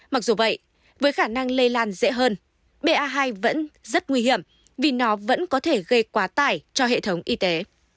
mặc dù vậy với khả năng lây lan dễ hơn ba vẫn rất nguy hiểm vì nó vẫn có thể gây quá tải cho hệ thống y tế